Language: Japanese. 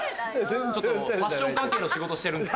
ちょっとファッション関係の仕事してるんですよ。